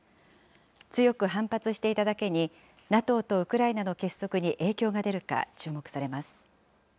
強く反発していただけに、ＮＡＴＯとウクライナの結束に影響が出るか注目されます。